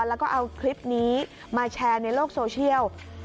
แล้วก็เอาคลิปนี้มาแชร์ในโลกโซเชียล